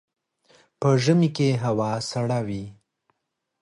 په ژمي کي هوا سړه وي.